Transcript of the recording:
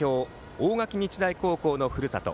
大垣日大高校のふるさと